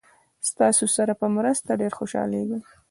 ستاسې سره په مرسته ډېر خوشحالیږم.